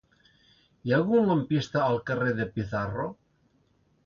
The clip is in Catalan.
Hi ha algun lampista al carrer de Pizarro?